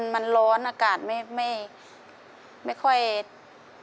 มันร้อนอากาศไม่ค่อยโปรดค่ะ